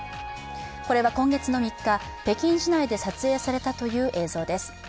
これは今月３日、北京市内で撮影されたという映像です。